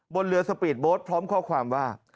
บนเรือสปีดโบสต์พร้อมข้อความว่า